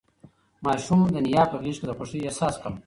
ماشوم د نیا په غېږ کې د خوښۍ احساس کاوه.